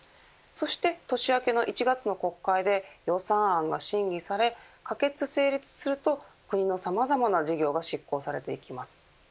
そして年明けの１月の国会で予算案が審議され可決、成立すると国のさまざまな事業が執行されていきます。